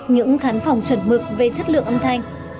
những khán phòng chuẩn mực về chất lượng âm thanh